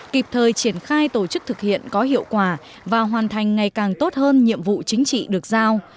kịp thời triển khai tổ chức thực hiện có hiệu quả và hoàn thành ngày càng tốt hơn nhiệm vụ chính trị được giao